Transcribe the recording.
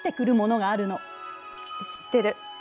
知ってる。